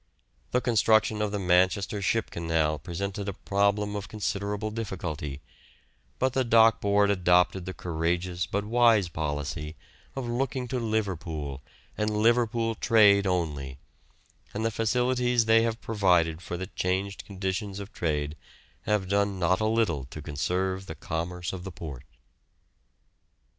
The construction of the Manchester Ship Canal presented a problem of considerable difficulty, but the Dock Board adopted the courageous but wise policy of looking to Liverpool and Liverpool trade only, and the facilities they have provided for the changed conditions of trade have done not a little to conserve the commerce of the port.